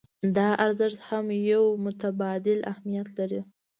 دا ارزښت هم يو متبادل اهميت لري.